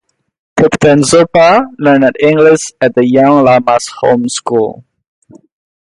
Thubten Zopa learned English at the Young Lamas Home School.